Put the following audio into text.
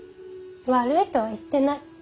悪いとは言ってない。